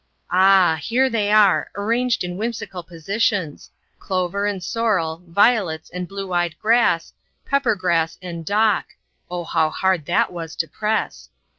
Ah! here they are, arranged in whimsical positions, Clover and Sorrel, Violets and Blue eyed Grass, Peppergrass and Dock (O, how hard that was to press!)